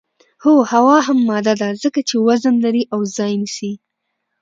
هو هوا هم ماده ده ځکه چې وزن لري او ځای نیسي.